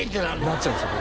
なっちゃうんですよ